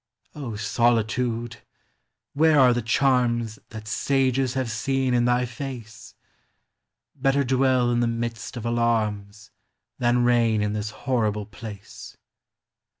Solitude ! where are the charms That sages have seen in tby face ? Better dwell in the midst of alarms Than reign in this horrible place.